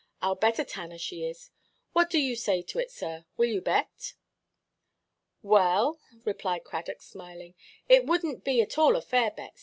Iʼll bet a tanner she is. What do you say to it, sir? Will you bet?" "Well," replied Cradock, smiling, "it wouldnʼt be at all a fair bet.